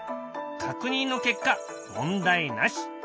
確認の結果問題なし。